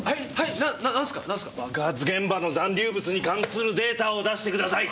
爆発現場の残留物に関するデータを出してください！